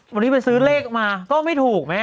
วันนี้ไปซื้อเลขมาก็ไม่ถูกแม่